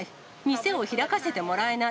店を開かせてもらえない。